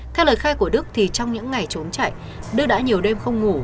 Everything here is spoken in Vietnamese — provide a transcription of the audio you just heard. theo lời khai của đức thì trong những ngày trốn chạy đức đã nhiều đêm không ngủ